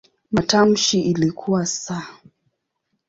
Matamshi yake ilikuwa "s".